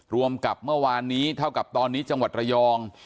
รวมกับเมื่อวานนี้เท่ากับตอนนี้จังหวัดระยอง